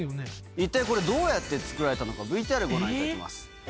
一体、これ、どうやって作られたのか、ＶＴＲ、ご覧いただきます。